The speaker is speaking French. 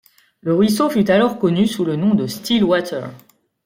Le ruisseau fut alors connu sous le nom de Stillwater.